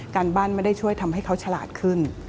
การบ้านไม่ได้ช่วยทำให้เขาฉลาดขึ้น